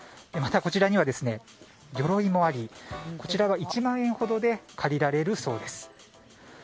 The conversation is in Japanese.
また、こちらには鎧もありこちらは１万円ほどで借りられるそうです。